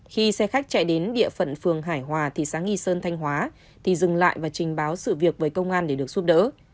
khi xe khách chạy đến địa phận phường hải hòa thị xã nghi sơn thanh hóa thì dừng lại và trình báo sự việc với công an để được giúp đỡ